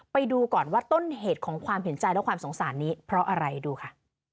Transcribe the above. ไปดูก่อนว่าต้นเหตุของความเห็นใจและความสงสารนี้เพราะอะไรดูค่ะ